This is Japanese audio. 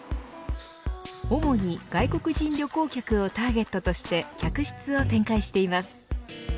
主に外国人旅行客をターゲットとして客室を展開しています。